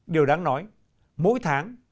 điều đáng nói mỗi tháng